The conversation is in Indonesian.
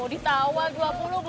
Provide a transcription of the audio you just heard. oh ditawa rp dua puluh an boleh gak pak